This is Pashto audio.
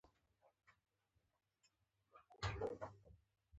قوم باید د ورورولۍ نوم وي.